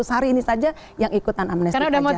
hari ini saja yang ikutan amnesti pajak